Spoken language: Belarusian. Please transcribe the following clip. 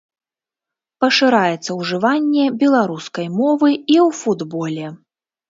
Пашыраецца ўжыванне беларускай мовы і ў футболе.